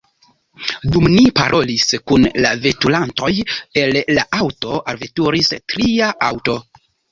Dum ni parolis kun la veturantoj el la aŭto, alveturis tria aŭto.